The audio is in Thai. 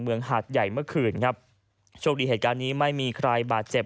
หาดใหญ่เมื่อคืนครับโชคดีเหตุการณ์นี้ไม่มีใครบาดเจ็บ